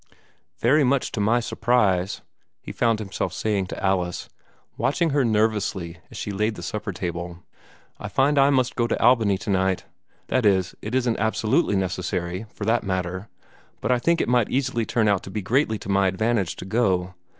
"Very much to my surprise," he found himself saying to Alice, watching her nervously as she laid the supper table, "I find I must go to Albany tonight. That is, it isn't absolutely necessary, for that matter, but I think it may easily turn out to be greatly to my advantage to go.